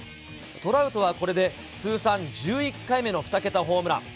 トラウトはこれで通算１１回目の２桁ホームラン。